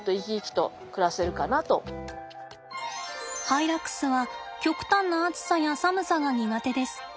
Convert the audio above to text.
ハイラックスは極端な暑さや寒さが苦手です。